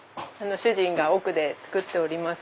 主人が奥で作っております。